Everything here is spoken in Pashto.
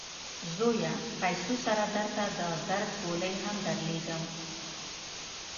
زویه! پیسو سره درته د درد ګولۍ هم درلیږم.